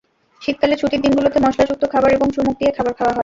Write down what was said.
শীতকালে ছুটির দিনগুলোতে মসলাযুক্ত খাবার এবং চুমুক দিয়ে খাবার খাওয়া হয়।